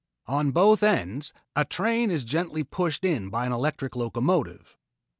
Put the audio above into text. On both ends then, a train is gently pushed in by an electric locomotive.